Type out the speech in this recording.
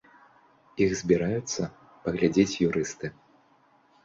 Іх збіраюцца паглядзець юрысты.